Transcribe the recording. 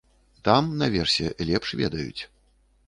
Там, наверсе, лепш ведаюць.